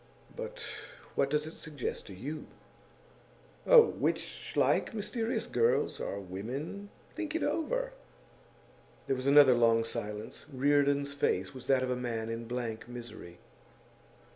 'But what does it suggest to you?' 'Oh, witch like, mysterious girls or women. Think it over.' There was another long silence. Reardon's face was that of a man in blank misery.